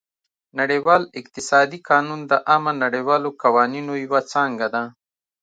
نړیوال اقتصادي قانون د عامه نړیوالو قوانینو یوه څانګه ده